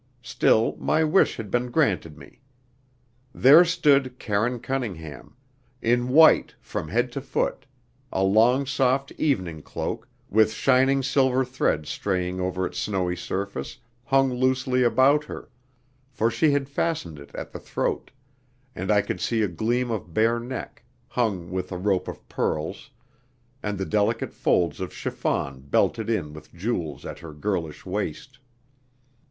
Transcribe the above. Still, my wish had been granted me. There stood Karine Cunningham, in white from head to foot; a long soft evening cloak, with shining silver threads straying over its snowy surface, hung loosely about her, for she had fastened it at the throat, and I could see a gleam of bare neck, hung with a rope of pearls, and the delicate folds of chiffon belted in with jewels at her girlish waist.